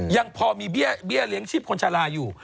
ยังพอมีเบี้ยเลี้ยงชีพคนชาลาอยู่